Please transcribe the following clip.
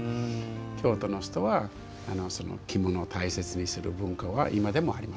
京都の人は着物を大切にする文化は今でもありますね。